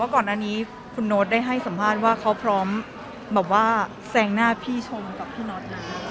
แต่ก่อนอันนี้คุณโน้ตได้ให้สัมภาษณ์ว่าเขาพร้อมแสงหน้าพี่ชมกับพี่โน้ต